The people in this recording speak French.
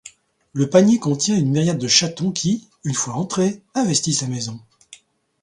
Le panier contient une myriade de chatons qui, une fois entrés, investissent la maison.